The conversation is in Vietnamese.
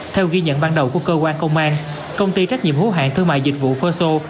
theo ghi nhận ban đầu của cơ quan công an công ty trách nhiệm hữu hàng thương mại dịch vụ phơ xô